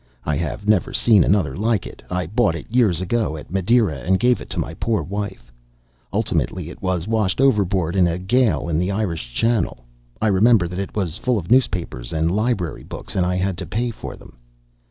I have never seen another like it. I bought it years ago at Madeira, and gave it to my poor wife. Ultimately it was washed overboard in a gale in the Irish Channel. I remember that it was full of newspapers and library books, and I had to pay for them.